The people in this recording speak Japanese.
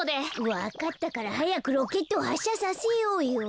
わかったからはやくロケットをはっしゃさせようよ。